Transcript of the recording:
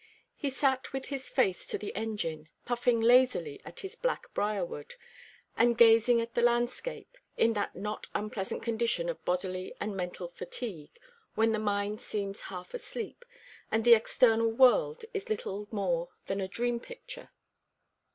He sat with his face to the engine, puffing lazily at his black briarwood, and gazing at the landscape, in that not unpleasant condition of bodily and mental fatigue, when the mind seems half asleep, and the external world is little more than a dream picture.